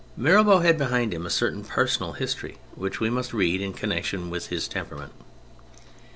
Mirabeau had behind him a certain personal history which we must read in connection with his temperament.